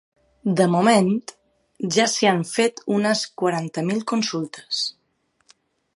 De moment, ja s’hi han fet unes quaranta mil consultes.